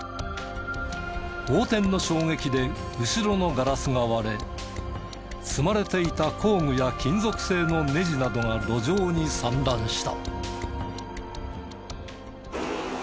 横転の衝撃で後ろのガラスが割れ積まれていた工具や金属製のネジなどが路上に散乱した。